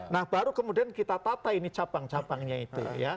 nah baru kemudian kita tata ini cabang cabangnya itu ya